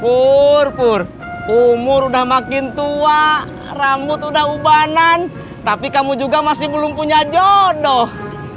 pur pur umur udah makin tua rambut udah ubanan tapi kamu juga masih belum punya jodoh